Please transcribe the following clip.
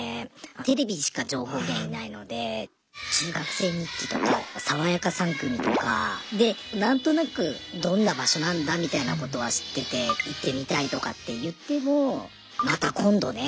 テレビしか情報源ないので「中学生日記」とか「さわやか３組」とかでなんとなくどんな場所なんだみたいなことは知ってて行ってみたいとかって言ってもまた今度ねぐらいな。